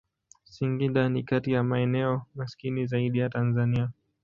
Singida ni kati ya maeneo maskini zaidi ya Tanzania.